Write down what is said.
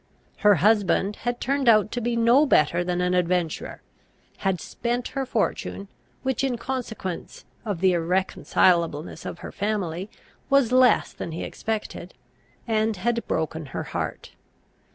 Her husband had turned out to be no better than an adventurer; had spent her fortune, which in consequence of the irreconcilableness of her family was less than he expected, and had broken her heart.